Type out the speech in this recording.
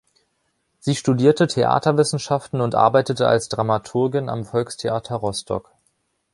Sie studierte Theaterwissenschaften und arbeitete als Dramaturgin am Volkstheater Rostock.